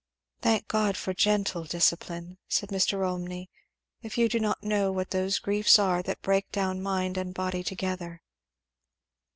"Thank God for gentle discipline!" said Mr. Olmney; "if you do not know what those griefs are that break down mind and body together."